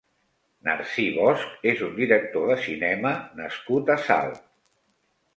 Narcís Bosch és un director de cinema nascut a Salt.